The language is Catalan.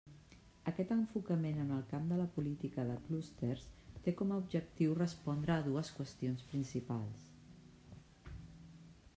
Aquest enfocament en el camp de la política de clústers té com a objectiu respondre a dues qüestions principals.